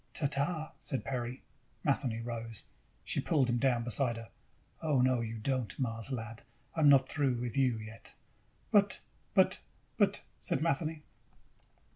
"Ta ta," said Peri. Matheny rose. She pulled him down beside her. "Oh, no, you don't, Mars lad. I'm not through with you yet!" "But, but, but," said Matheny.